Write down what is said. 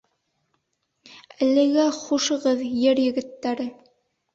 Әлегә хушығыҙ, Ер егеттәре!